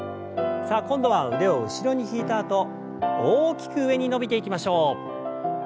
さあ今度は腕を後ろに引いたあと大きく上に伸びていきましょう。